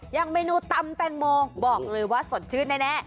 อย่างเมนูตำแตงโมบอกเลยว่าสดชื่นแน่